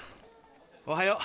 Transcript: おはよう！